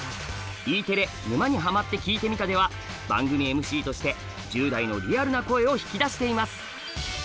Ｅテレ「沼にハマってきいてみた」では番組ＭＣとして１０代のリアルな声を引き出しています！